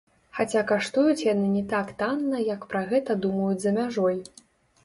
Хаця каштуюць яны не так танна, як пра гэта думаюць за мяжой.